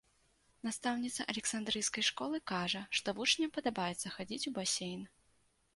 Настаўніца александрыйскай школы кажа, што вучням падабаецца хадзіць у басейн.